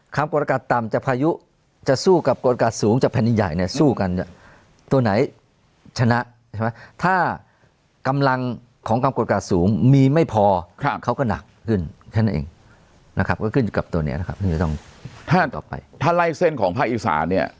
แค่นั้นเองนะครับก็ขึ้นกับตัวเนี่ยนะครับถ้าไล่เส้นของภาคอีสานเนี่ย